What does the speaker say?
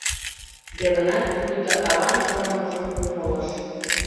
Йыгнат пуйто аван шонымыжым умылыш.